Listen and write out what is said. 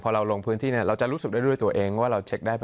พอเราลงพื้นที่เราจะรู้สึกได้ด้วยตัวเองว่าเราเช็คได้